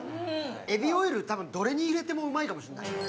エビオイルはたぶん、どれに入れてもおいしいかもしれない。